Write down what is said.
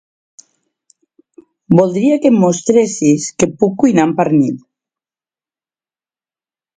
Voldria que em mostressis què puc cuinar amb pernil.